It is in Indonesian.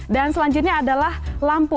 dan selanjutnya adalah lampu